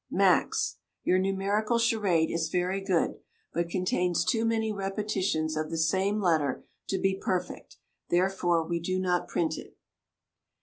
"MAX." Your numerical charade is very good, but contains too many repetitions of the same letter to be perfect; therefore we do not print it.